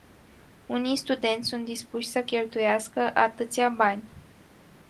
Unii studenți sunt dispuși să cheltuiască atâția bani.